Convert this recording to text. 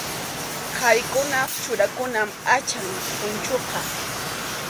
Qharikunap churakunan pʼacham punchuqa.